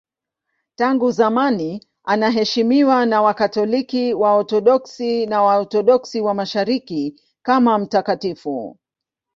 Tangu zamani anaheshimiwa na Wakatoliki, Waorthodoksi na Waorthodoksi wa Mashariki kama mtakatifu.